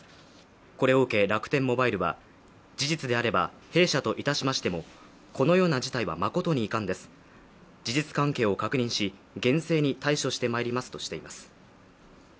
これを受け楽天モバイルは事実であれば弊社といたしましてもこのような事態は誠に遺憾です、事実関係を確認し厳正に対処してまいりますとしています。